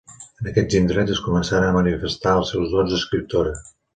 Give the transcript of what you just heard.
En aquests indrets es començaren a manifestar els seus dots d'escriptora.